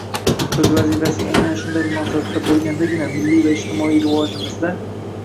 O‘z vazifasiga aynan shunday munosabatda bo‘lgandagina milliy va ijtimoiy rivojimizda